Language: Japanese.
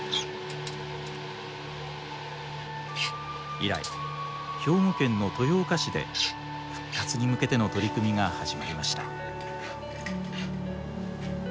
以来兵庫県の豊岡市で復活に向けての取り組みが始まりました。